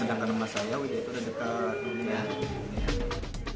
sedangkan nama saya widya itu sudah dekat